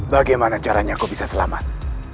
bagaimana caranya kok bisa selamat